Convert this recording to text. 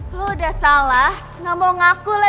lo udah salah gak mau ngaku lagi michelle